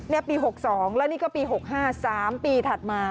นี่ปี๖๒แล้วนี่ก็ปี๖๕๓ปีถัดมา